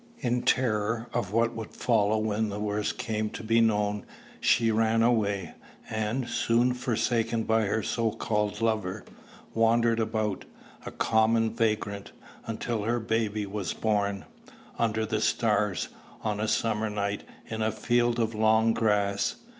In terror of what would follow when the worst came to be known, she ran away; and, soon forsaken by her so called lover, wandered about, a common vagrant, until her baby was born under the stars, on a summer night, in a field of long grass.